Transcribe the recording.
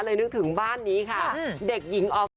เลยนึกถึงบ้านนี้ค่ะเด็กหญิงออฟเตอร์